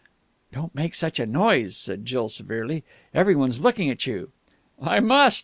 "Don't make such a noise!" said Jill severely. "Everyone's looking at you." "I must!